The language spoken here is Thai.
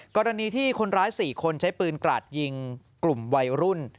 กรณีที่คนร้าย๔คนใช้ปืนกราดยิงกลุ่มวัยรุ่น